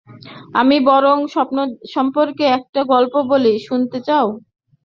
আমি বরং স্বপ্ন সম্পর্কে একটা গল্প বলি-শুনতে চান?